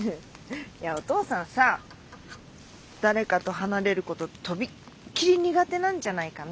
いやお父さんさ誰かと離れることとびっきり苦手なんじゃないかな。